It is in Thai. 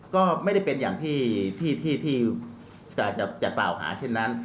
ก็ไม่ได้เป็นอย่างที่จะกล่าวหาเช่นนั้น